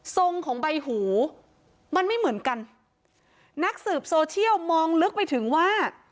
ทรงของใบหูมันไม่เหมือนกันนักสืบโซเชียลมองลึกไปถึงว่า